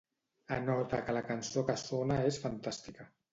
Anota que la cançó que sona és fantàstica.